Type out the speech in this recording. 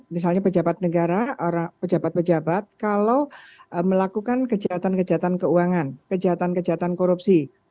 misalnya pejabat negara pejabat pejabat kalau melakukan kejahatan kejahatan keuangan kejahatan kejahatan korupsi